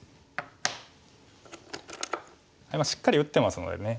しっかり打ってますのでね